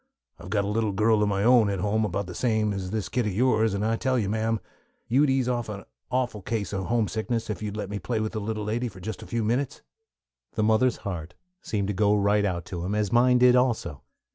I've got a little girl of my own at home about the same age as this kid of yours, and I tell you, ma'am, you'd ease off an awful case of homesickness if you'd let me play with the little lady just for a few minutes." The mother's heart seemed to go right out to him, as did mine also.